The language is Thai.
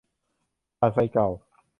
ถ่านไฟเก่า